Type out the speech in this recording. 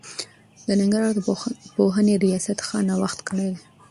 د ننګرهار پوهنې رياست ښه نوښت کړی دی.